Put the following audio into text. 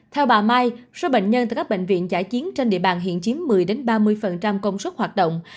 theo bà mai số bệnh nhân từ các bệnh viện giải chiến trên địa bàn hiện chiếm một mươi ba mươi công suất hoạt động